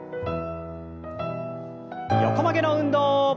横曲げの運動。